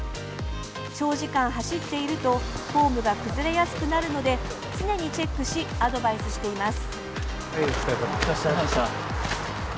長時間走っているとフォームが崩れやすくなるので常にチェックしアドバイスしています。